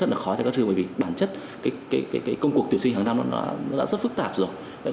rất là khó cho các trường bởi vì bản chất cái công cuộc tuyển sinh hàng năm nó đã rất phức tạp rồi